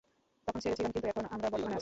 তখন ছেড়েছিলাম, কিন্তু এখন আমরা বর্তমানে আছি।